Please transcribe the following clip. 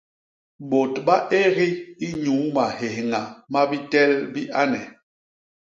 Bôt ba égi inyuu mahéhña ma bitel bi ane.